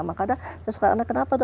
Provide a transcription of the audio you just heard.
maka ada saya suka karena kenapa tuh